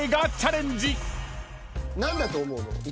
何だと思うの？